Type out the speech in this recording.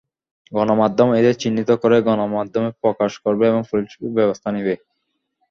গণমাধ্যম এদের চিহ্নিত করে গণমাধ্যমে প্রকাশ করবে এবং পুলিশ ব্যবস্থা নেবে।